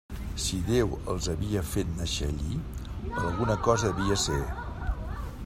Si Déu els havia fet nàixer allí, per alguna cosa devia ser.